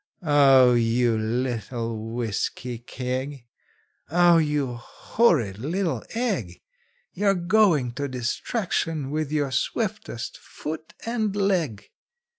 Oh, you little whisky keg! Oh, you horrid little egg! You're goin' to destruction with your swiftest foot and leg!